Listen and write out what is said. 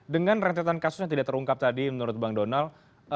dengan rentetan kasus yang tidak terungkap tadi menurut bang donal